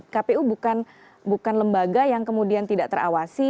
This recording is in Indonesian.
kpu bukan lembaga yang kemudian tidak terawasi